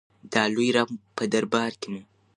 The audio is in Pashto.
د لوی رب په دربار کې مو.